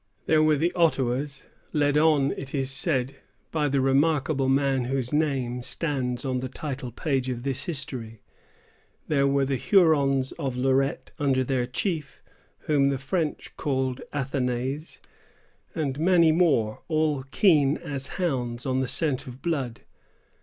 There were the Ottawas, led on, it is said, by the remarkable man whose name stands on the title page of this history; there were the Hurons of Lorette under their chief, whom the French called Athanase, and many more, all keen as hounds on the scent of blood.